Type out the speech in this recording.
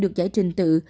được giải trình tự